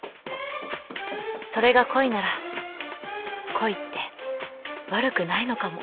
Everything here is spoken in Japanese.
それが恋なら恋って悪くないのかも。